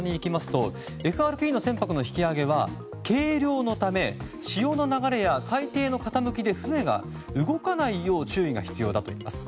ＦＲＰの船舶の引き揚げは軽量のため潮の流れや海底の傾きで船が動かないよう注意が必要だといいます。